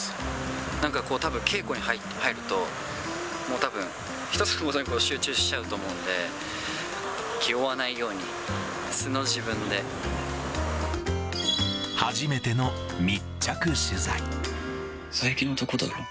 なんかこう、たぶん稽古に入ると、もうたぶん、１つのことに集中しちゃうと思うんで、気負わないように素の自分初めての密着取材。。